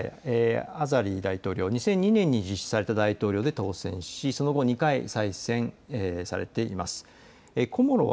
アザリ大統領、２００２年に実施された大統領選で当選しその後２回再選されています。